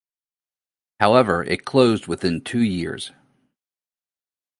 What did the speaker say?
However it closed within two years.